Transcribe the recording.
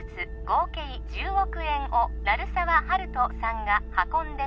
合計１０億円を鳴沢温人さんが運んで